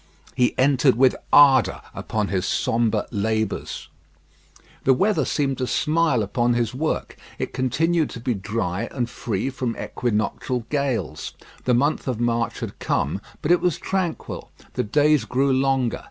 He entered with ardour upon his sombre labours. The weather seemed to smile upon his work. It continued to be dry and free from equinoctial gales. The month of March had come, but it was tranquil. The days grew longer.